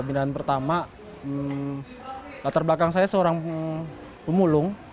binaan pertama latar belakang saya seorang pemulung